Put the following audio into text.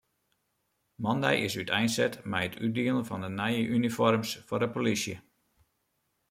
Moandei is úteinset mei it útdielen fan de nije unifoarms foar de polysje.